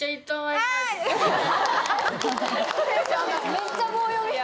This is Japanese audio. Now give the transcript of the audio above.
・めっちゃ棒読み！